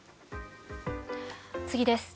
次です。